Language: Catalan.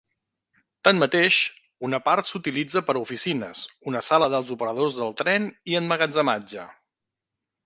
Tanmateix, una part s'utilitza per a oficines, una sala dels operadors del tren i emmagatzematge.